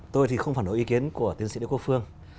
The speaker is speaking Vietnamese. tôi thì không phản đối ý kiến của tiến sĩ đỗ quốc phương